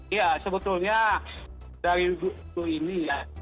iya sebetulnya dari buku ini